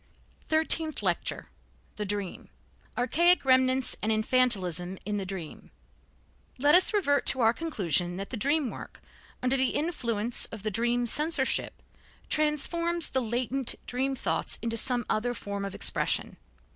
THIRTEENTH LECTURE THE DREAM Archaic Remnants and Infantilism in the Dream Let us revert to our conclusion that the dream work, under the influence of the dream censorship, transforms the latent dream thoughts into some other form of expression.